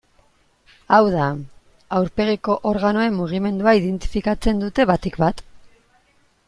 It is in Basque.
Hau da, aurpegiko organoen mugimendua identifikatzen dute batik bat.